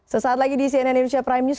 sesaat lagi di cnn indonesia prime news